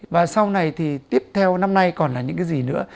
và sau này thì tiếp theo năm nay còn là những cái gì nữa